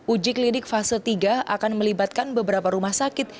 uji klinik fase tiga akan melibatkan beberapa rumah sakit